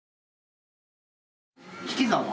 引き算は？